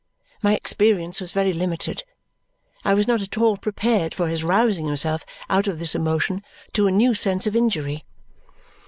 My experience was very limited; I was not at all prepared for his rousing himself out of this emotion to a new sense of injury.